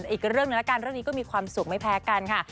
อีกเรื่องหนึ่งแล้วกันเรื่องนี้ก็มีความสุขไม่แพ้กันค่ะ